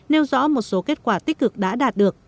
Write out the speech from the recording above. nêu rõ một số kết quả tích cực đã đạt được